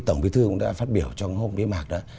tổng bí thư cũng đã phát biểu trong hôm bế mạc đó